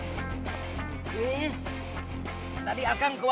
nggit kedua satu